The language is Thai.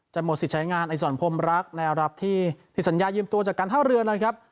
หมดสิทธิ์ใช้งานไอสอนพรมรักในระดับที่ผิดสัญญายืมตัวจากการท่าเรือนะครับ